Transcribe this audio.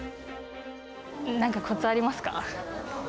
なんかこつありますか？